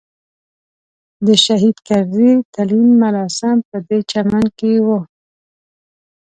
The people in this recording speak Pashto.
د شهید کرزي تلین مراسم پدې چمن کې وو.